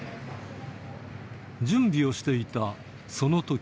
準備をしていたそのとき。